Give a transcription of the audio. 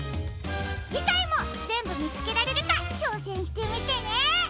じかいもぜんぶみつけられるかちょうせんしてみてね！